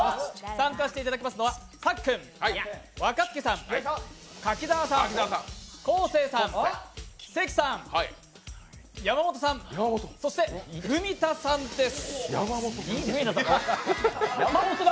参加していただくのは、さっくん、若槻さん、柿澤さん、昴生さん、関さん、山本さんそして文田さんです。